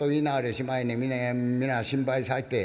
しまいには皆心配させて。